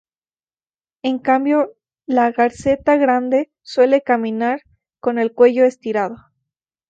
En cambio, la garceta grande suele caminar con el cuello estirado.